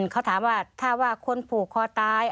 เขาถามว่าถ้าว่าคนผูกคอตาย